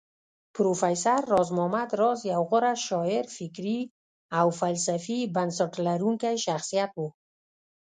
پروفېسر راز محمد راز يو غوره شاعر فکري او فلسفي بنسټ لرونکی شخصيت و